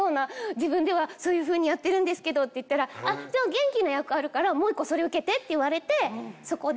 自分ではそういう風にやってるんですけど」って言ったら「じゃあ元気な役あるからもう１個それ受けて」って言われてそこで。